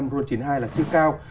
rune chín mươi hai là chưa cao